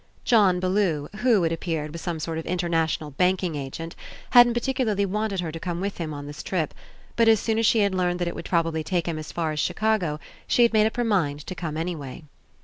John Bellew, who, it appeared, was some sort of international banking agent, hadn't particularly wanted her to come with him on this trip, but as soon as she had learned that it would probably take him as far as Chicago, she made up her mind to come anyway.